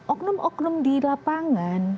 oknum oknum di lapangan